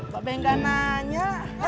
kok pengen gak nanya